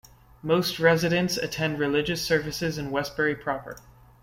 Most residents attend religious services in Westbury-proper.